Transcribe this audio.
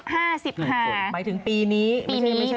หมายถึงปีนี้ไม่ใช่ไม่ใช่ไม่ใช่ไม่ใช่